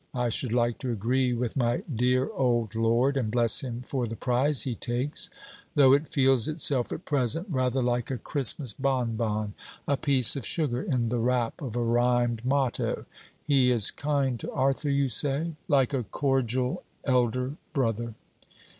I should like to agree with my dear old lord and bless him for the prize he takes, though it feels itself at present rather like a Christmas bon bon a piece of sugar in the wrap of a rhymed motto. He is kind to Arthur, you say?' 'Like a cordial elder brother.'